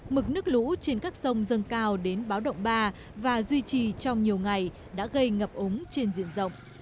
mực nước lũ trên các sông dâng cao đến báo động ba và duy trì trong nhiều ngày đã gây ngập ống trên diện rộng